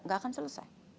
nggak akan selesai